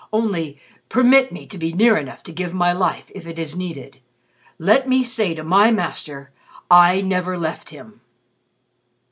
Only permit me to be near enough to give my life if it is needed. Let me say to my Master, 'I never left him.'"